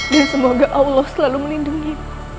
dan semoga allah selalu melindungi